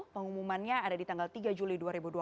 pengumumannya ada di tanggal tiga juli dua ribu dua puluh